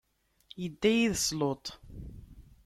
Idda-d yid-s Luṭ.